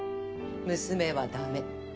娘は駄目。